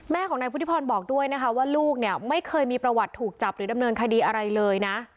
แม่ของนายพุทธิพรบอกด้วยนะคะว่าลูกเนี่ยไม่เคยมีประวัติถูกจับหรือดำเนินคดีอะไรเลยนะ